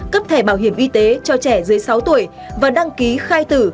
cấp thẻ bảo hiểm y tế cho trẻ dưới sáu tuổi và đăng ký khai tử